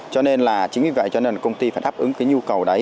cho nên là chính vì vậy cho nên công ty phải đáp ứng cái nhu cầu đấy